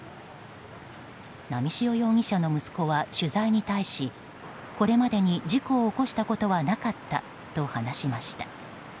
波汐容疑者の息子は取材に対しこれまでに事故を起こしたことはなかったと話しました。